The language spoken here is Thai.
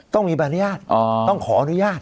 ต้องมีใบอนุญาตต้องขออนุญาต